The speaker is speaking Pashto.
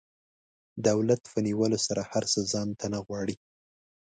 دولت په نیولو سره هر څه ځان ته نه غواړي.